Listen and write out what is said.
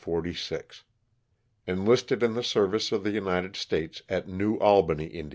^ Enlisted in the service of the United States at New Albany, Ind.